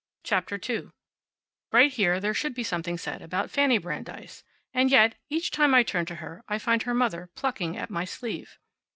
CHAPTER TWO Right here there should be something said about Fanny Brandeis. And yet, each time I turn to her I find her mother plucking at my sleeve.